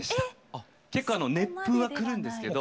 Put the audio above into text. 結構熱風は来るんですけど。